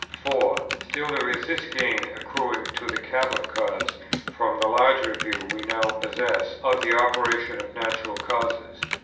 4. Still there is this gain accruing to the Catholic cause from the larger views we now possess of the operation of natural causes, viz.